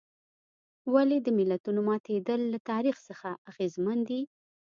ولې د ملتونو ماتېدل له تاریخ څخه اغېزمن دي.